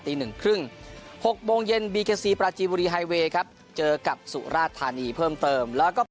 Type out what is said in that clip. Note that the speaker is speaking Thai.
หนึ่งครึ่ง๖โมงเย็นบีเกซีปราจีบุรีไฮเวย์ครับเจอกับสุราธานีเพิ่มเติมแล้วก็